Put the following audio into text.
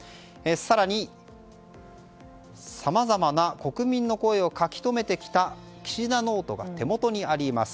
更に、さまざまな国民の声を書き留めてきた岸田ノートが手元にあります。